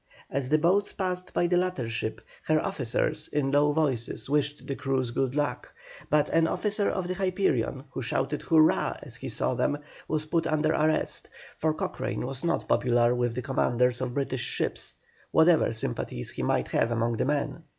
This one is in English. As the boats passed by the latter ship, her officers, in low voices, wished the crews good luck; but an officer of the Hyperion, who shouted "Hurrah!" as he saw them, was put under arrest, for Cochrane was not popular with the commanders of British ships, whatever sympathies he might have among the men.